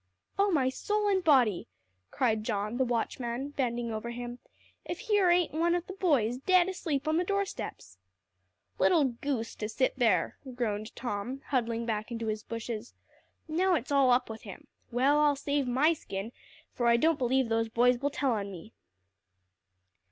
"Oh my soul and body!" cried John, the watchman, bending over him, "if here ain't one of th' boys dead asleep on the doorsteps!" "Little goose, to sit there!" groaned Tom, huddling back into his bushes. "Now it's all up with him. Well, I'll save my skin, for I don't believe those boys will tell on me."